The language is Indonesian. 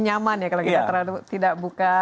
nyaman ya kalau kita tidak buka